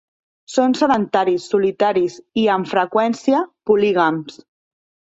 Són sedentaris, solitaris i, amb freqüència, polígams.